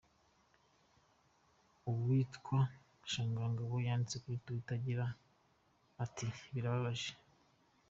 Uwitwa Sharangabo yanditse kuri Twitter ati “Birababaje.